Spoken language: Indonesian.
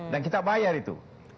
dan kita bayar itu